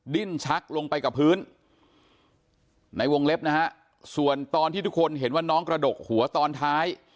ดิ้นชักลงไปกับพื้นในวงเล็บนะฮะส่วนตอนที่ทุกคนเห็นว่าน้องกระดกหัวตอนท้าย